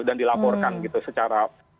dan dilaporkan gitu secara